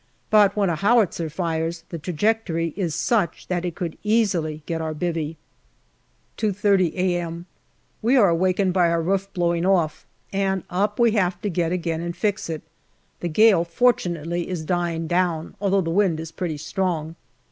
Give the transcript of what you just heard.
But when a howitzer fires the trajectory is such that it could easily get our " bivvy." 2.30 a.m. We are awakened by our roof blowing off, and up we have to get again and fix it. The gale fortunately is dying down, although the wind is pretty strong.